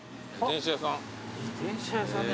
自転車屋さんね。